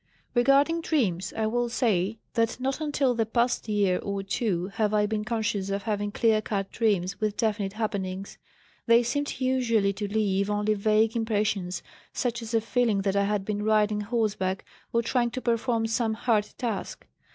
"Regarding dreams, I will say that not until the past year or two have I been conscious of having clear cut dreams with definite happenings. They seemed usually to leave only vague impressions, such as a feeling that I had been riding horseback, or trying to perform some hard task.